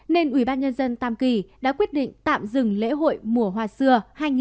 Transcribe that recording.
nên ubnd tam kỳ đã quyết định tạm dừng lễ hội mùa hoa xưa hai nghìn hai mươi